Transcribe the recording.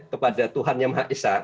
kepada tuhannya maha esa